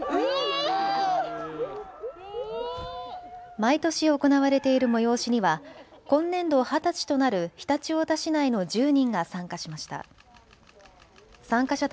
毎年、行われている催しには今年度二十歳となる常陸太田市内の１０人が参加しました。